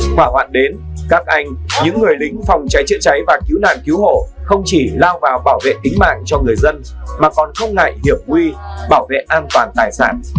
quả hoạn đến các anh những người lính phòng cháy triển cháy và cứu nặng cứu hộ không chỉ lao vào bảo vệ tính mạng cho người dân mà còn không ngại hiệp quy bảo vệ an toàn tài sản